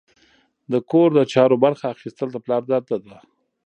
د کور د چارو برخه اخیستل د پلار دنده ده.